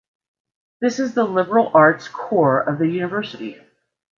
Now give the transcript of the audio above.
This is the liberal arts core of the university.